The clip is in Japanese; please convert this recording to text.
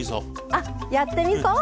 あっやってみそ！